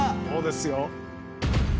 そうですよ。